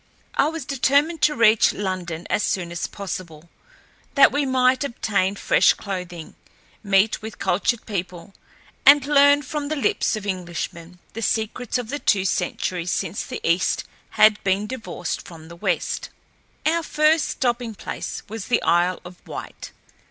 I was determined to reach London as soon as possible, that we might obtain fresh clothing, meet with cultured people, and learn from the lips of Englishmen the secrets of the two centuries since the East had been divorced from the West. Our first stopping place was the Isle of Wight.